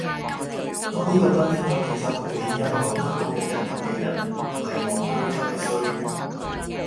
嗰啲覺得聽咗幾首古典音樂就高人一等嘅人唔係戇居就係衰